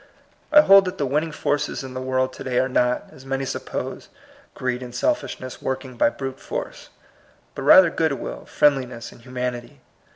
I hold that the winning forces in the world to day are not, as many suppose, greed and selfishness working by brute force, but rather good will, friendliness, and humanity.